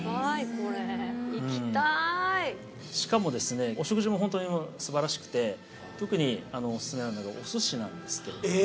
しかもですね、お食事も本当にすばらしくて、特にお勧めなのがおすしなんです。